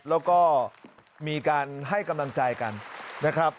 แล้วก็มีการให้กำลังใจกันนะครับ